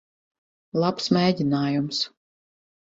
Labs mēģinājums.